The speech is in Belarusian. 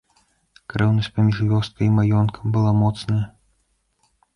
Крэўнасць паміж вёскай і маёнткам была моцная.